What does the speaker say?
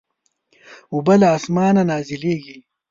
اوبه له اسمانه نازلېږي.